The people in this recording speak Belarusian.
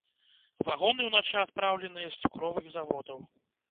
Вагоны ўначы адпраўленыя з цукровых заводаў.